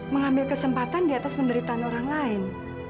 mengambil kesempatan diatas penderitaan orang lain